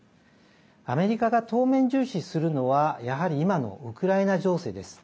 アメリカが当面重視するのはやはり今のウクライナ情勢です。